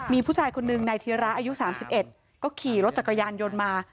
มีผู้ชายคนหนึ่งนายธีระอายุ๓๑ก็ขี่รถจักรยานยนต์มา